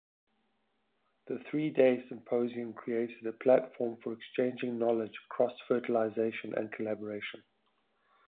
The three-day symposium created a platform for exchanging knowledge, cross fertilization and collaboration.